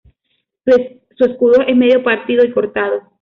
Su escudo es medio partido y cortado.